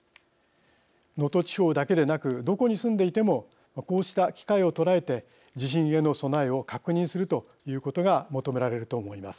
能登地方だけでなくどこに住んでいてもこうした機会を捉えて地震への備えを確認するということが求められると思います。